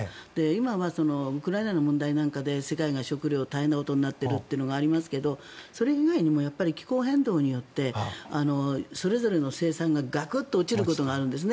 今はウクライナの問題なんかで世界が食料、大変なことになっているっていうのがありますがそれ以外にもやっぱり気候変動によってそれぞれの生産がガクッと落ちることがあるんです。